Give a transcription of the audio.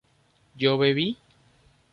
¿yo bebí?